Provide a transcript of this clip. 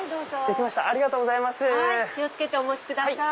気を付けてお持ちください。